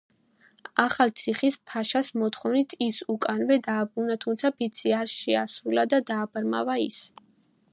ახალციხის ფაშას მოთხოვნით ის უკანვე დააბრუნა, თუმცა ფიცი არ შეასრულა და დააბრმავა ის.